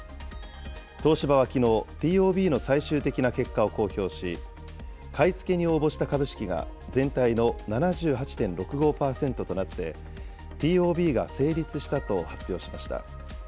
東芝はきのう、ＴＯＢの最終的な結果を公表し、買い付けに応募した株式が、全体の７８．６５％となって、ＴＯＢが成立したと発表しました。